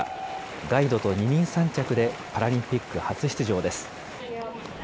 ガイドと二人三脚でパラリンピック初出場です。